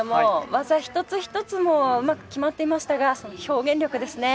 技一つ一つもうまく決まっていましたがその表現力ですね。